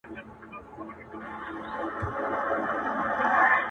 اغــــزي يې وكـــرل دوى ولاړل تريــــنه.